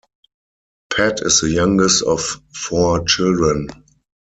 Pat is the youngest of four children.